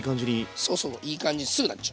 そうそういい感じにすぐなっちゃう。